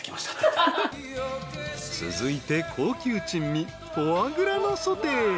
［続いて高級珍味フォアグラのソテー］